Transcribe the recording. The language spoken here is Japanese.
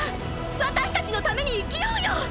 私たちのために生きようよ！！